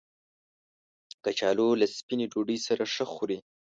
کچالو له سپینې ډوډۍ سره ښه خوري